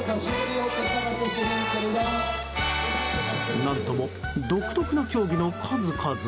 何とも独特な競技の数々。